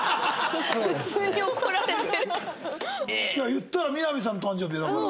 言ったらみな実さんの誕生日よだから。